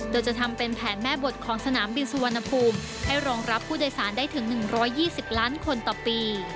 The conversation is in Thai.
โดยจะทำเป็นแผนแม่บทของสนามบินสุวรรณภูมิให้รองรับผู้โดยสารได้ถึง๑๒๐ล้านคนต่อปี